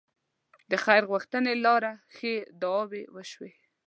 د خير غوښتنې لاره ښې دعاوې وشي.